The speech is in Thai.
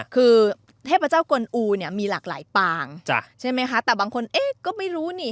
คือเทพเจ้ากลอูเนี่ยมีหลากหลายปางใช่ไหมคะแต่บางคนเอ๊ะก็ไม่รู้นี่